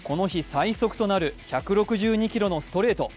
最速となる１６２キロのストレート。